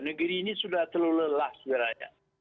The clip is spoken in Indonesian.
negeri ini sudah terlalu lelah sebenarnya